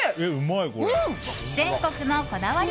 全国のこだわり